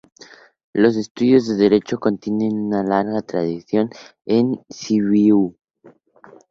Los estudios de Derecho tienen una larga tradición en Sibiu.